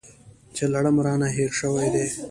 چې لړم رانه هېر شوی دی .